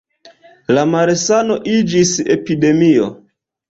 La malsano iĝis epidemio.